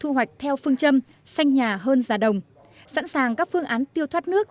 thu hoạch theo phương châm xanh nhà hơn giá đồng sẵn sàng các phương án tiêu thoát nước